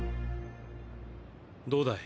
どうだい？